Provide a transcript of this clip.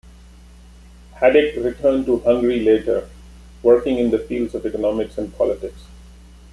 Hadik returned to Hungary later, working in the fields of economy and politics.